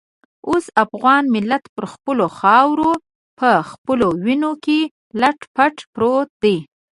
اوس افغان ملت پر خپله خاوره په خپلو وینو کې لت پت پروت دی.